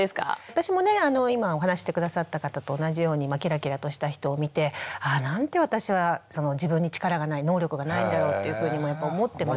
私もね今お話しして下さった方と同じようにキラキラとした人を見てああなんて私は自分に力がない能力がないんだろうっていうふうにもやっぱり思ってました。